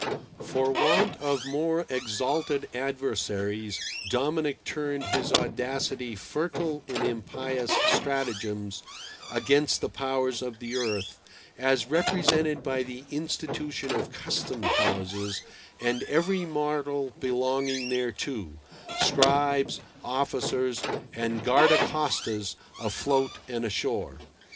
For want of more exalted adversaries Dominic turned his audacity fertile in impious stratagems against the powers of the earth, as represented by the institution of Custom houses and every mortal belonging thereto—scribes, officers, and guardacostas afloat and ashore.